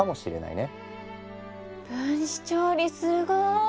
分子調理すごい。